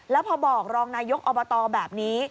แล้วพอบอกรองนายกอบตแบบนี้